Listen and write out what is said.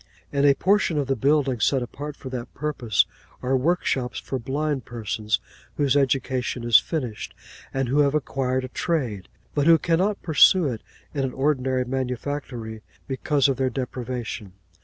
In a portion of the building, set apart for that purpose, are work shops for blind persons whose education is finished, and who have acquired a trade, but who cannot pursue it in an ordinary manufactory because of their deprivation.